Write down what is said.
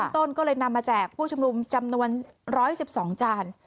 ต้นก็เลยนำมาแจกผู้ชุมนุมจำนวน๑๑๒จาน